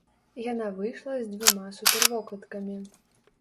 Яна выйшла з дзвюма супервокладкамі.